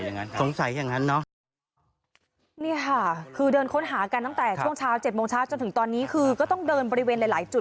นี่ค่ะคือเดินค้นหากันตั้งแต่ช่วงเช้า๗โมงเช้าจนถึงตอนนี้คือก็ต้องเดินบริเวณหลายจุด